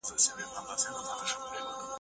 ګلوزري پتنګان غاړه په غاړه